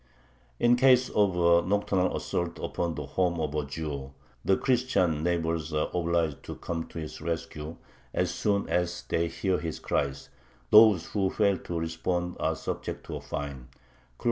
In case of a nocturnal assault upon the home of a Jew, the Christian neighbors are obliged to come to his rescue as soon as they hear his cries; those who fail to respond are subject to a fine (§36).